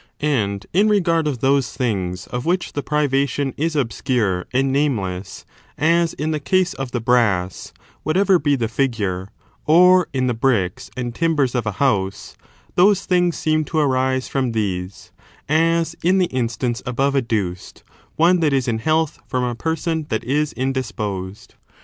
And in regard of those things of which the privation is obscure and nameless, as in the case of the brass, whatever be the figure, or in the bricks and timbers of a house, those things seem to arise from these : as, in the instance above adduced, one that is in health from a person that is indisposed.